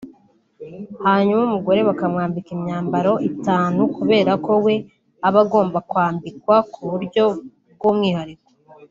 hanyuma umugore bakamwambika imyambaro itanu kubera ko we aba agomba kwambikwa ku buryo bw’umwihariko